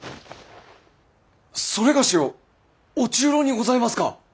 それがしを御中臈にございますか！？